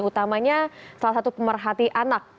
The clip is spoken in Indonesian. utamanya salah satu pemerhati anak